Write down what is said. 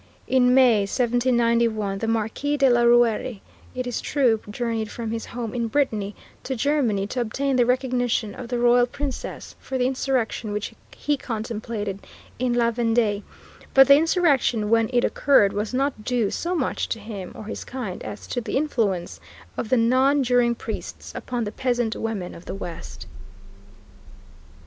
In May, 1791, the Marquis de la Rouërie, it is true, journeyed from his home in Brittany to Germany to obtain the recognition of the royal princes for the insurrection which he contemplated in La Vendée, but the insurrection when it occurred was not due so much to him or his kind as to the influence of the nonjuring priests upon the peasant women of the West.